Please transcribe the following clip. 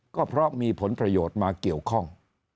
ก็เพราะมีผลประโยชน์มาเกี่ยวข้อง